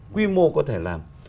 quy mô có thể làm